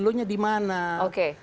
kemudian keadilannya di mana